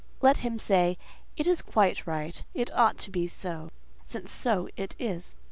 Let him say, "It is quite right: it ought to be so, since so it is."